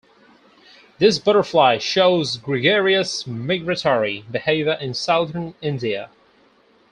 This butterfly shows gregarious migratory behaviour in southern India.